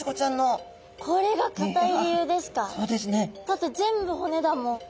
だって全部骨だもん。